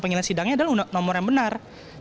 panggilan sidangnya adalah nomor yang benar